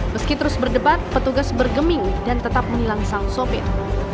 meski terus berdebat petugas bergeming dan tetap menilang sang sopir